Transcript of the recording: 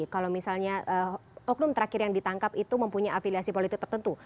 kalau misalnya oknum terakhir yang ditangkap itu mempunyai afiliasi politik tertentu